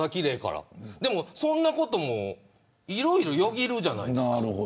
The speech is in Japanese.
でも、そんなこともいろいろよぎるじゃないですか。